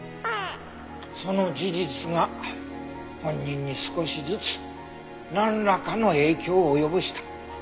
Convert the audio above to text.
その事実が本人に少しずつなんらかの影響を及ぼした。